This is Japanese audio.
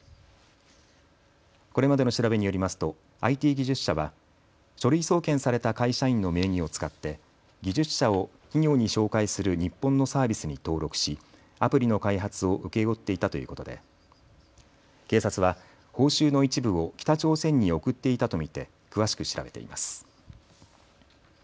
これまでの調べによりますとＩＴ技術者は書類送検された会社員の名義を使って技術者を企業に紹介する日本のサービスに登録しアプリの開発を請け負っていたということで警察は報酬の一部を北朝鮮に送っていたと見て詳しく調べています。